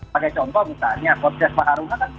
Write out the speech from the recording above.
pakai contoh misalnya proses penghargaan